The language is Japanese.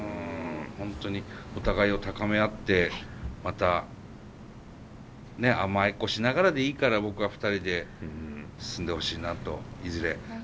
本当にお互いを高め合ってまた甘えっこしながらでいいから僕は２人で進んでほしいなといずれ。